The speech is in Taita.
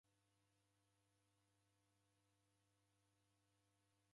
Malunji w'anilambata mkonu.